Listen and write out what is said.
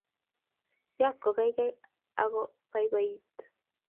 jazz kokaikai ako paipaiti